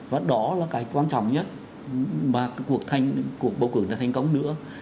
và đó là cái quan trọng nhất mà cuộc bầu cử là thành công nữa